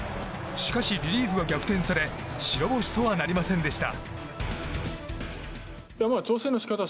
しかし、リリーフが逆転され白星とはなりませんでした。